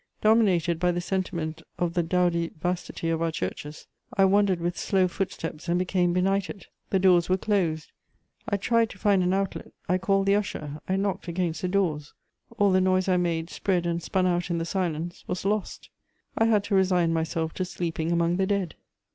Dominated by the sentiment of the "dowdy vastitie of our churches," I wandered with slow footsteps and became benighted: the doors were closed. I tried to find an outlet; I called the usher, I knocked against the doors: all the noise I made, spread and spun out in the silence, was lost; I had to resign myself to sleeping among the dead.